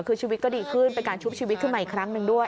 คือชีวิตก็ดีขึ้นเป็นการชุบชีวิตขึ้นมาอีกครั้งหนึ่งด้วย